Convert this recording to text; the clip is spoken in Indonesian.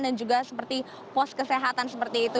dan juga seperti pos kesehatan seperti itu